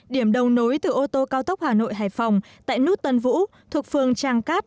điểm đầu nối từ ô tô cao tốc hà nội hải phòng tại nút tân vũ thuộc phường tràng cát